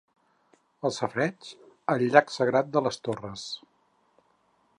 El safareig! El llac sagrat de les torres!